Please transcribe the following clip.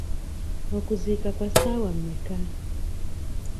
Okuziika kwa ssaawa mmeka?